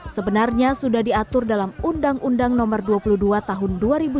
sebenarnya sudah diatur dalam undang undang nomor dua puluh dua tahun dua ribu sembilan